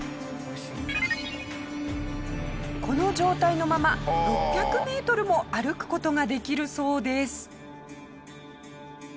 この状態のまま６００メートルも歩く事ができるそうです。